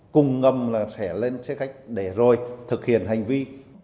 cùng ngầm là sẽ lên xe khách để rồi thực hiện hành vi